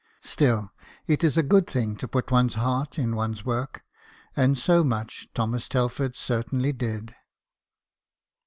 Still, it is a good thing to put one's heart in one's work, and so much Thomas Telford certainly did.